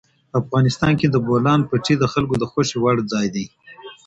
افغانستان کې د بولان پټي د خلکو د خوښې وړ ځای دی.